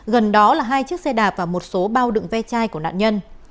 gần đó là hai chiếc xe đạp và một số bao đựng ve chai của nạn nhân